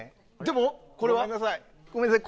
ごめんなさい。